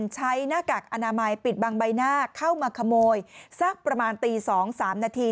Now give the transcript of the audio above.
หน้ากากอนามัยปิดบังใบหน้าเข้ามาขโมยสักประมาณตี๒๓นาที